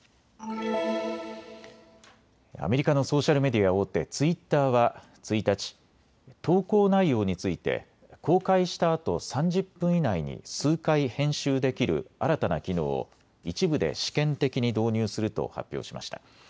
アメリカのソーシャルメディア大手、ツイッターは１日、投稿内容について公開したあと３０分以内に数回編集できる新たな機能を一部で試験的に導入すると発表しました。